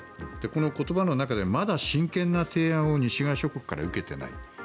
この言葉の中でまだ真剣な提案を西側諸国から受けていない。